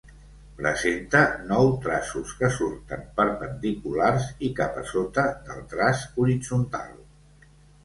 Presenta nou traços que surten perpendiculars i cap a sota del traç horitzontal.